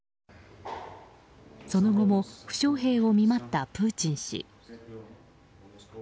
その後も、負傷兵を見舞ったプーチン氏。